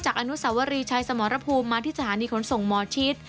จากอนุสาวรีชายสมรภูมิมาที่สถานีคนส่งมชิ